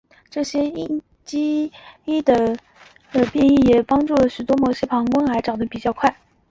这些因基的变异也许有助于了解为何某些膀膀胱癌长得比较快。